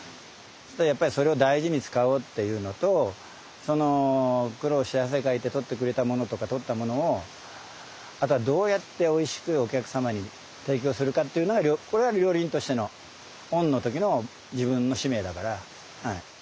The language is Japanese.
そうするとやっぱりそれを大事に使おうっていうのとその苦労して汗かいて採ってくれたものとか採ったものをあとはどうやっておいしくお客様に提供するかっていうのが料理人としてのオンの時の自分の使命だからはい。